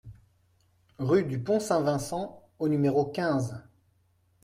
Rue de Pont-Saint-Vincent au numéro quinze